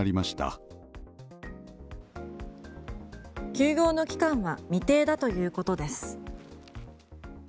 休業の期間は未定だということです。